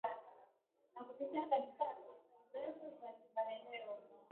Na kupitia katika afisi zetu za kimaeneo